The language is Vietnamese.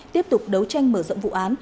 tiếp tục đấu tranh mở rộng vụ án